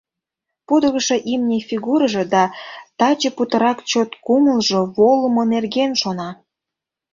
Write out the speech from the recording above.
Пудыргышо имне фигурыжо да таче путырак чот кумылжо волымо нерген шона.